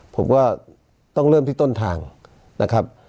ผมก็ต้องเริ่มที่ต้นทางนะครับ